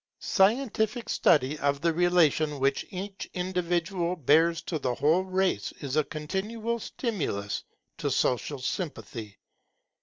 Scientific study of the relation which each individual bears to the whole race is a continual stimulus to social sympathy.